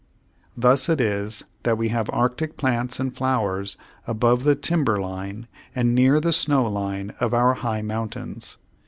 Thus it is that we have arctic plants and flowers above the timber line and near the snow line of our high mountains.